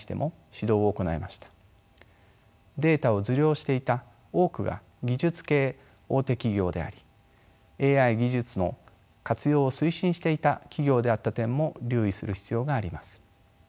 データを受領していた多くが技術系大手企業でありＡＩ技術の活用を推進していた企業であった点も留意する必要があります。